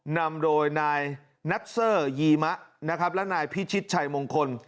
นำโดยนายนัทเซอร์ยีมะนะครับและนายพิชิตชัยมงคล